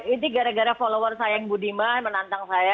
ini gara gara follower saya yang budiman menantang saya